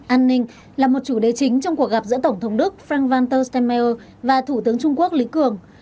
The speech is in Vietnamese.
an ninh là một chủ đề chính trong cuộc gặp giữa tổng thống đức frank vanter stemmeier và thủ tướng trung quốc lý cường